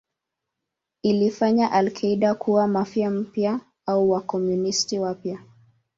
Ilifanya al-Qaeda kuwa Mafia mpya au Wakomunisti wapya.